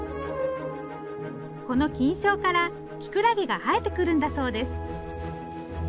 この菌床からキクラゲが生えてくるんだそうです。